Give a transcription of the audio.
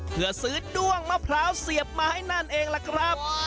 เพื่อซื้อด้วงมะพร้าวเสียบมาให้นั่นเองล่ะครับ